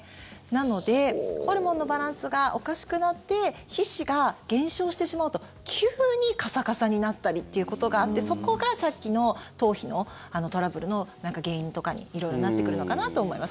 なのでホルモンのバランスがおかしくなって皮脂が減少してしまうと急にカサカサになったりっていうことがあってそこがさっきの頭皮のトラブルの原因とかに色々なってくるのかなと思います。